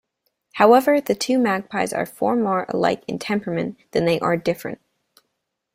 However, the two magpies are far more alike in temperament than they are different.